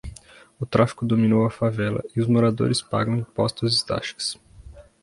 O tráfico dominou a favela e os moradores pagam impostos e taxas